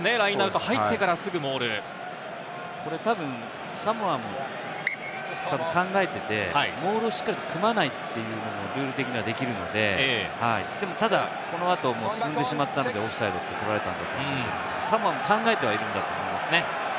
これ、たぶんサモアも考えててモールをしっかり組まないというのはルール的にはできるのでただ、このあと進んでしまったので、オフサイド取られたんだと思うんですけれども、サモアも考えているんだと思いますね。